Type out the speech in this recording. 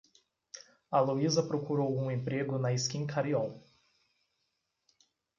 A Luísa procurou um emprego na Schincariol.